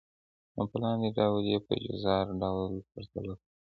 نو په لاندي ډول ئي په جزوار ډول پرتله كوو .